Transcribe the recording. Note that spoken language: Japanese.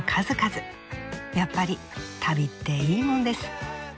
やっぱり旅っていいもんです。